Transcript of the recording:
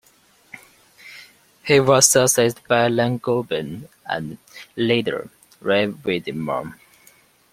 He was succeeded by Allen Goben and, later, Rob Widmer.